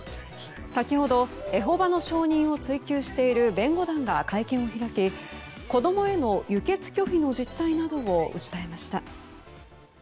先ほどエホバの証人を追及している弁護団が会見を開き子供への輸血拒否の実態などを訴えました。